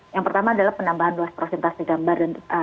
yang pertama adalah penambahan luas prosentas di gambar